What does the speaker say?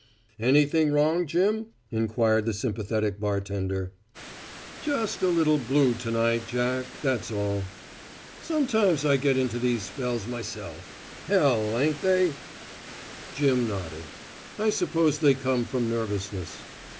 "Anything wrong, Jim?" inquired the sympathetic bartender. "Just a little blue to night, Jack, that's all." "Sometimes I get into those spells myself. Hell, ain't they?" Jim nodded. "I suppose they come from nervousness."